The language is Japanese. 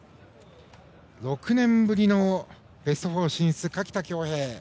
６年ぶりのベスト４進出垣田恭兵。